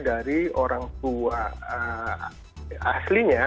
dari orang tua aslinya